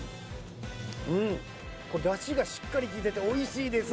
うん、だしがしっかり利いていておいしいです。